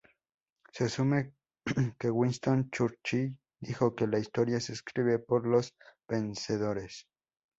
Se asume que Winston Churchill dijo que "la historia se escribe por los vencedores".